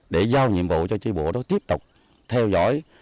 để giao nhiệm vụ cho tri bộ đó tiếp tục theo dõi